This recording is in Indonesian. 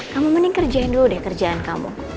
kamu mending kerjain dulu deh kerjaan kamu